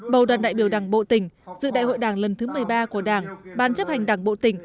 bầu đoàn đại biểu đảng bộ tỉnh dự đại hội đảng lần thứ một mươi ba của đảng ban chấp hành đảng bộ tỉnh